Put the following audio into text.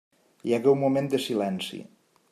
Hi hagué un moment de silenci.